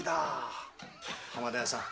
浜田屋さん。